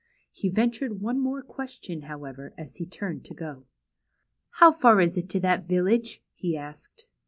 He ventured one more question; liowever; as he turned to How far is it to that village?'' he asked.